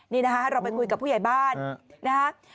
นี่นะคะเราไปคุยกับผู้ใหญ่บ้านนะฮะ